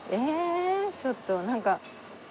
ちょっとなんか。